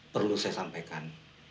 perlu saya sampaikan